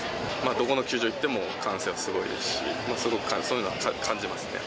どこの球場に行っても歓声はすごいですしそういうのはすごく感じますね。